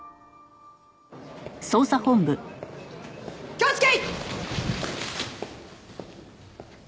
気をつけ！